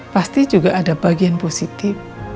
pasti juga ada bagian positif